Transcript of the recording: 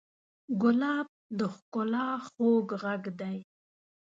ګلاب د ښکلا خوږ غږ دی.